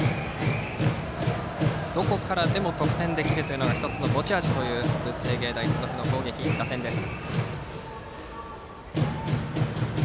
どこからでも得点できるというのが１つの持ち味という文星芸大付属の打線です。